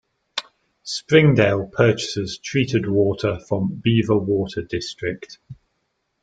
Springdale purchases treated water from Beaver Water District.